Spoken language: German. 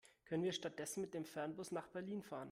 Können wir stattdessen mit dem Fernbus nach Berlin fahren?